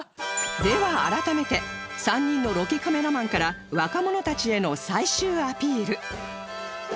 では改めて３人のロケカメラマンから若者たちへの最終アピール